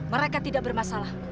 mereka tidak bermasalah